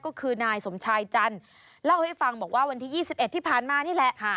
ก็คือนายสมชายจันทร์เล่าให้ฟังบอกว่าวันที่๒๑ที่ผ่านมานี่แหละ